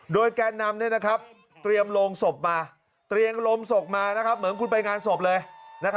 โดยแก่นำเนี่ยนะครับเตรียมโรงศพมาเตรียงโรงศพมานะครับเหมือนคุณไปงานศพเลย